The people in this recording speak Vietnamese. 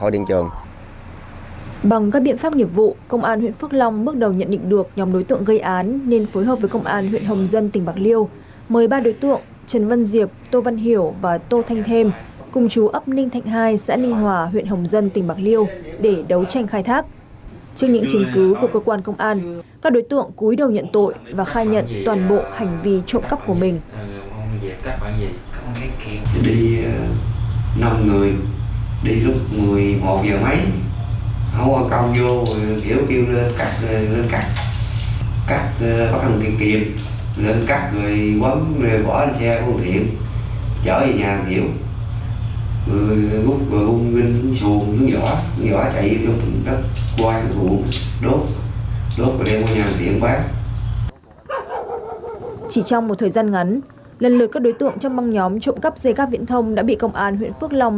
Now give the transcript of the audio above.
đã bị công an huyện phước long tỉnh bạc liêu bắt giữ đem lại niềm tin rất lớn cho người dân trên địa bàn